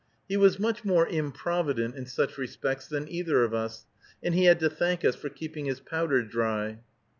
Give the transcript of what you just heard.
He was much more improvident in such respects than either of us, and he had to thank us for keeping his powder dry.